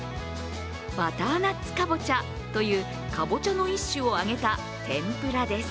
バターナッツカボチャというかぼちゃの一種を揚げた天ぷらです。